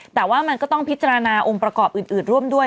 แต่ว่ามันก็ต้องพิจารณาองค์ประกอบอื่นร่วมด้วย